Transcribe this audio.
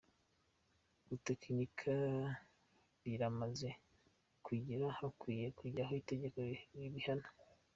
Gutekinika biramaze kugwira hakwiye kujyaho itegeko ribihana.